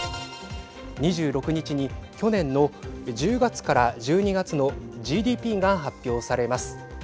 ２６日に去年の１０月から１２月のＧＤＰが発表されます。